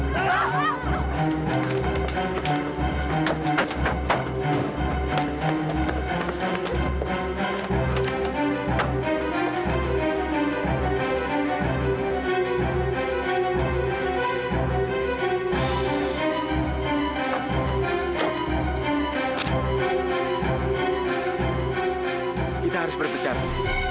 kita harus berbicara